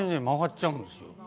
曲がっちゃうんですよ。